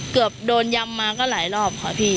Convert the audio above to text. เกือบโดนยำมาก็หลายรอบค่ะพี่